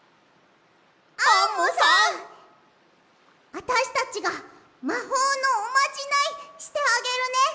あたしたちがまほうのおまじないしてあげるね！